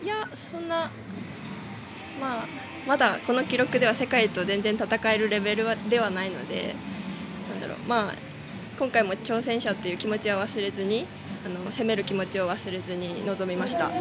まだこの記録では世界と戦えるレベルでは全然ないので今回も挑戦者という気持ちは忘れずに攻める気持ちを忘れずに臨みました。